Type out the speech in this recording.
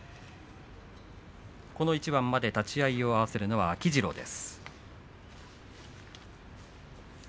この一番まで立ち合いを合わせるのは秋治郎です。